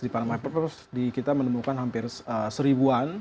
di panama papers kita menemukan hampir seribuan